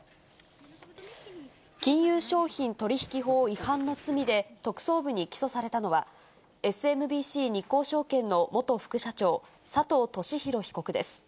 金融商品取引法違反の罪で特捜部に起訴されたのは、ＳＭＢＣ日興証券の元副社長、佐藤俊弘被告です。